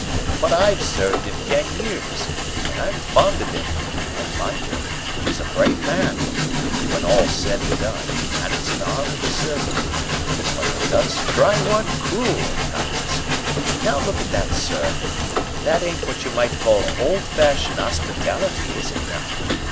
But I've served 'im ten years, and I'm fond of 'im, and, mind you, 'e's a great man, when all's said an' done, and it's an honor to serve 'im. But 'e does try one cruel at times. Now look at that, sir. That ain't what you might call old fashioned 'ospitality, is it now?